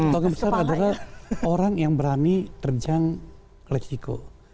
logam besar adalah orang yang berani terjang leksiko